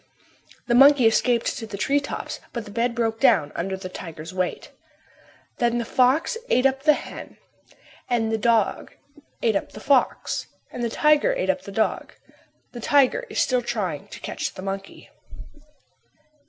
The monkey escaped to the tree tops, but the bed broke down under the tiger's weight. Then the fox ate up the hen and the dog ate up the fox and the tiger ate up the dog. The tiger is still trying to catch the monkey.